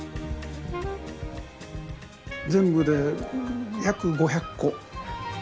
全部で約５００個。